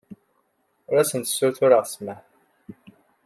Ur asen-ssutureɣ ssmaḥ.